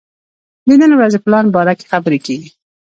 د نن ورځې پلان باره کې خبرې کېږي.